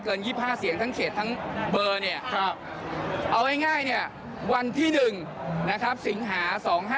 เกิน๒๕เสียงทั้งเขตทั้งเบอร์เอาง่ายวันที่๑สิงหา๒๕๖๖